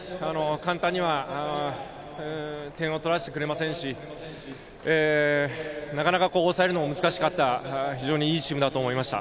簡単には点を取らせてくれませんしなかなか抑えるのも難しかった、非常にいいチームだと思いました。